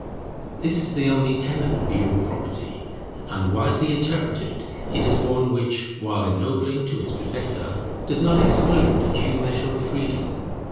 This is the only tenable view of property; and wisely interpreted, it is one which, while ennobling to its possessor, does not exclude a due measure of freedom.